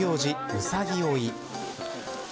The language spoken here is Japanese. うさぎ追い。